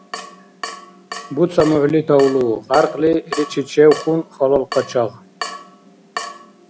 – Буца мухӀли, тавлу! – кьяркьли иличи чевхъун халал къачагъ.